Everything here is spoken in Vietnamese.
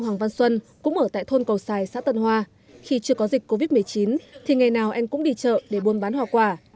hoàng văn xuân cũng ở tại thôn cầu sài xã tân hoa khi chưa có dịch covid một mươi chín thì ngày nào anh cũng đi chợ để buôn bán hoa quả